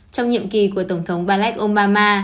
trong nhiệm kỳ của tổng thống barack obama